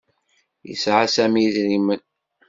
Yesɛa Sami idrimen.